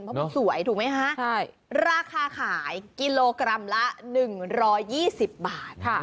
เพราะมันสวยถูกไหมคะราคาขายกิโลกรัมละ๑๒๐บาท